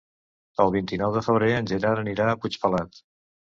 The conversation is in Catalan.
El vint-i-nou de febrer en Gerard anirà a Puigpelat.